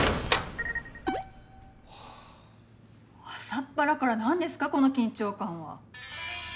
朝っぱらから何ですかこの緊張感は。